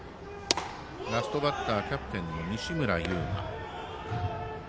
ラストバッターキャプテンの西村侑真。